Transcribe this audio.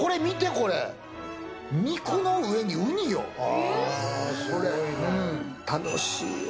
これ、楽しいわ。